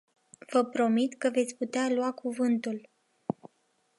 Vă promit că veți putea lua cuvântul.